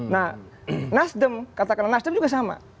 nah nasdem katakanlah nasdem juga sama